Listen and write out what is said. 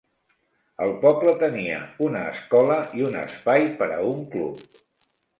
El poble tenia una escola i un espai per a un club.